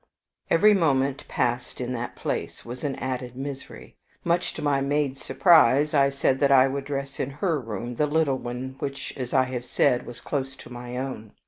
Every moment passed in that place was an added misery. Much to my maid's surprise I said that I would dress in her room the little one which, as I have said, was close to my own.